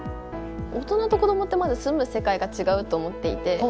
大人と子どもってまず住む世界が違うと思っていて。